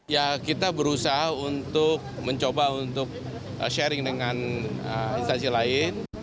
ya kita berusaha untuk mencoba untuk sharing dengan instansi lain